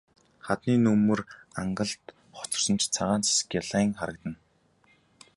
Хадны нөмөр ангалд хоцорсон цагаан цас гялайн харагдана.